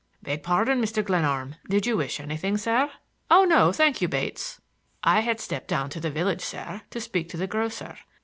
"Beg pardon, Mr. Glenarm, did you wish anything, sir?" "Oh, no, thank you, Bates." "I had stepped down to the village, sir, to speak to the grocer.